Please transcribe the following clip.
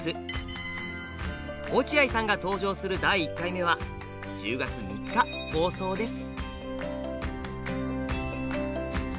落合さんが登場する第１回目は１０月３日放送です。